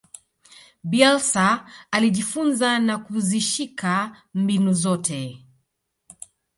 bielsa alijifunza na kuzishika mbinu zote